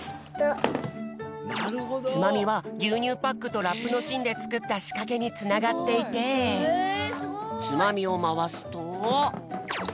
ツマミはぎゅうにゅうパックとラップのしんでつくったしかけにつながっていてツマミをまわすと。